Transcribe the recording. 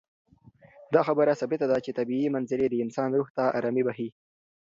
دا خبره ثابته ده چې طبیعي منظرې د انسان روح ته ارامي بښي.